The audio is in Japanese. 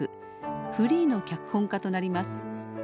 フリーの脚本家となります。